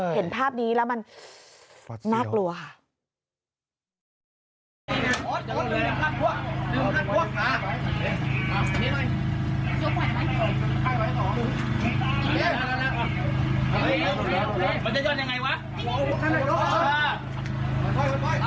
เห็นภาพนี้แล้วมันน่ากลัวค่ะ